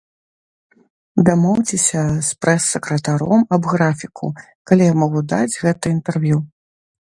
Дамоўцеся з прэс-сакратаром аб графіку, калі я магу даць гэта інтэрв'ю.